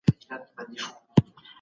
دا هیوادونه به تل وروسته پاته نه وي.